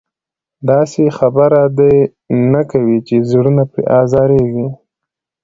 داسې خبره دې نه کوي چې زړونه پرې ازارېږي.